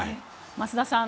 増田さん